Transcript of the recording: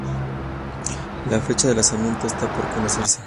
La fecha de lanzamiento esta por conocerse.